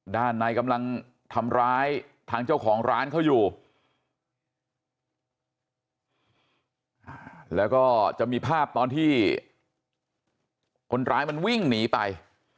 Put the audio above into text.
ด้านในกำลังทำร้ายทางเจ้าของร้านเขาอยู่แล้วก็จะมีภาพตอนที่คนร้ายมันวิ่งหนีไป